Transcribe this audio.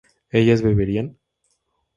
¿ellas beberían?